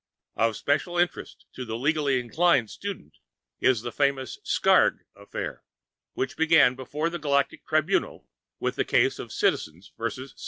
Of special interest to the legally inclined student is the famous Skrrgck Affair, which began before the Galactic Tribunal with the case of _Citizens vs.